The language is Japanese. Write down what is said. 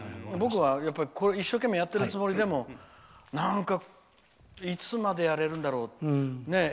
僕はやっぱり一生懸命やってるつもりでもなんかいつまでやれるんだろう。